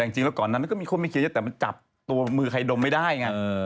แต่จริงแล้วก่อนนั้นก็มีคนไม่เคลียร์เยอะแต่มันจับตัวมือใครดมไม่ได้ไง